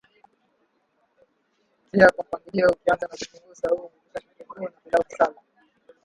Tia kwa mpangilio ukianza na vitunguu saumu kisha kitunguu na pilau masala